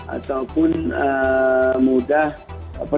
ataupun mudah periksa